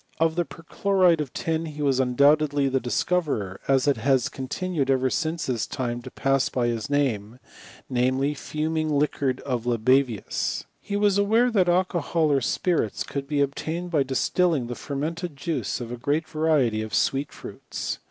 Of the perchloride of tin he was undoubtedly the dis eoverer, as it has continued ever since his time to pass by his name ; ndjaely, fuming liquor of Libavius, He was aware, that alcohol or spirits could be ob« tained by distilling the fermented jiiice of a great va riety of sweet fruits.